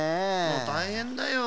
もうたいへんだよ。